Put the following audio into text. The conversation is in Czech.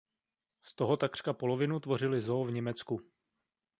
Z toho takřka polovinu tvořily zoo v Německu.